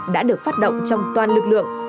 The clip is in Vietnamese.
đã được phát động trong toàn lực lượng